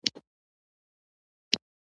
نور خلک له خپل ازار نه وژغوري.